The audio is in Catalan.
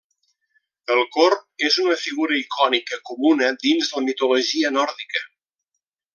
El corb és una figura icònica comuna dins la mitologia nòrdica.